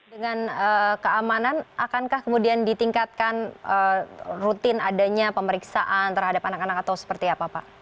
dengan keamanan akankah kemudian ditingkatkan rutin adanya pemeriksaan terhadap anak anak atau seperti apa pak